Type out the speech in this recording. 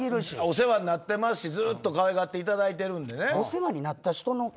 お世話になってますしずっとかわいがっていただいてるんで。